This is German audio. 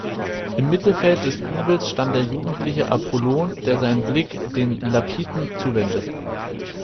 Im Mittelfeld des Giebels stand der jugendliche Apollon, der seinen Blick den Lapithen zuwendet.